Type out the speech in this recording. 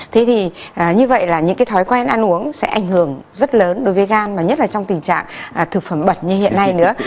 thế thì như vậy là những cái thói quen ăn uống sẽ ảnh hưởng rất lớn đối với gan mà nhất là trong tình trạng thực phẩm bẩn như hiện nay nữa